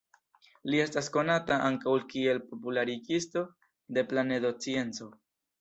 Li estas konata ankaŭ kiel popularigisto de planedoscienco.